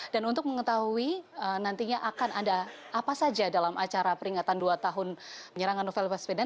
dan untuk mengetahui nantinya akan ada apa saja dalam acara peringatan dua tahun penyerangan novel baswedan